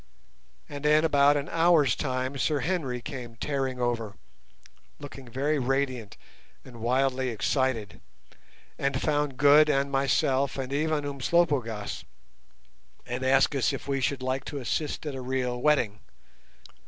And in about an hour's time Sir Henry came tearing over, looking very radiant and wildly excited, and found Good and myself and even Umslopogaas, and asked us if we should like to assist at a real wedding.